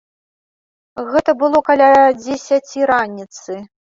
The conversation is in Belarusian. Гэта было каля дзесяці раніцы.